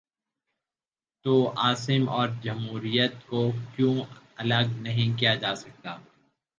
تو عاصم اور جمہوریت کو کیوں الگ نہیں کیا جا سکتا؟